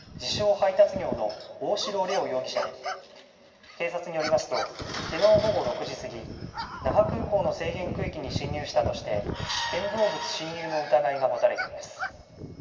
配達業の大城玲央容疑者で警察によりますときのう午後６時過ぎ那覇空港の制限区域に侵入したとして建造物侵入の疑いが持たれています。